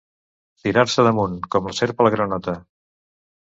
Tirar-se damunt, com la serp a la granota.